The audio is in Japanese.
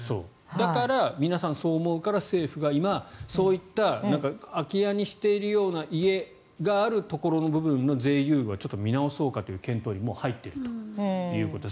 だから皆さんそう思うから政府が今そういった空き家にしているような家があるところの部分の税優遇は見直そうかという検討に入っているということです。